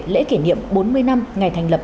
lễ kỷ niệm bốn mươi năm ngày thành lập